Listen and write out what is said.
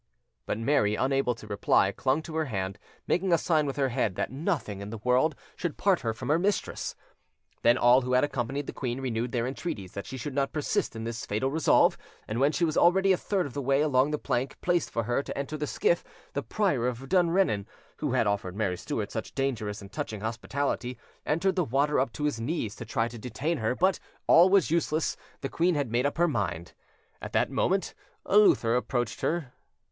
But Mary, unable to reply, clung to her hand, making a sign with her head that nothing in the world should part her from her mistress. Then all who had accompanied the queen renewed their entreaties that she should not persist in this fatal resolve, and when she was already a third of the way along the plank placed for her to enter the skiff, the Prior of Dundrennan, who had offered Mary Stuart such dangerous and touching hospitality, entered the water up to his knees, to try to detain her; but all was useless: the queen had made up her mind. At that, moment Lowther approached her.